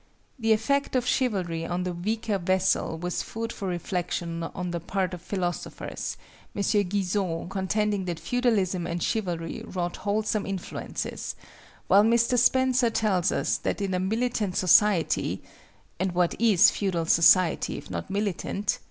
The effect of Chivalry on the weaker vessel was food for reflection on the part of philosophers, M. Guizot contending that Feudalism and Chivalry wrought wholesome influences, while Mr. Spencer tells us that in a militant society (and what is feudal society if not militant?)